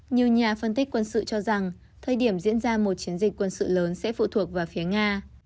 nhiều nhà phân tích quân sự cho rằng thời điểm diễn ra một chiến dịch quân sự lớn sẽ phụ thuộc vào phía nga